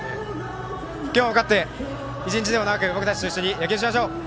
今日も勝って、１日でも長く僕たちと一緒に野球しましょう！